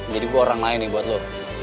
jadi gue orang lain nih buat lo